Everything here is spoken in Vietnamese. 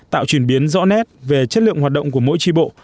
tạo chuyển biến rõ nét về chất lượng hoạt động của mỗi tri bộ